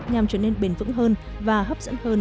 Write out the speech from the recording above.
nhằm trở nên bền vững hơn và hấp dẫn hơn